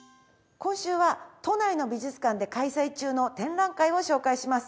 今週は都内の美術館で開催中の展覧会を紹介します。